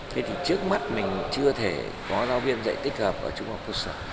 thế thì trước mắt mình chưa thể có giáo viên dạy tích hợp ở trung học quốc sản